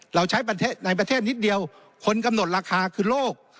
เราใช้ในประเทศนิดเดียวคนกำหนดราคาคือโลก